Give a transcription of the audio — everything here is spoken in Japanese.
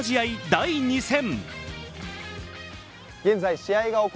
第２戦。